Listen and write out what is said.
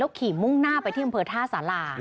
ขี่มุ่งหน้าไปที่อำเภอท่าสารา